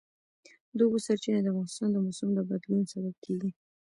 د اوبو سرچینې د افغانستان د موسم د بدلون سبب کېږي.